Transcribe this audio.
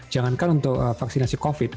jangankan untuk vaksinasi covid